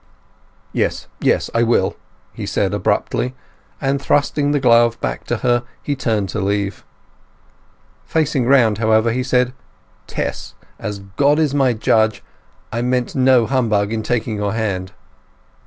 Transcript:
"Yes, yes; I will," he said abruptly, and thrusting the glove back to her he turned to leave. Facing round, however, he said, "Tess, as God is my judge, I meant no humbug in taking your hand!"